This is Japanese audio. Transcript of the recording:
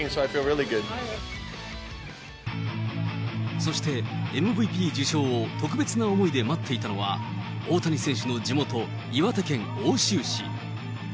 そして、ＭＶＰ受賞を特別な思いで待っていたのは、大谷選手の地元、岩手県奥州市。